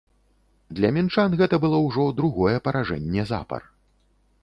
Для мінчан гэта было ўжо другое паражэнне запар.